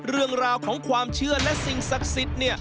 เรื่องราวของความเชื่อและสิ่งศักดิ์สิทธิ์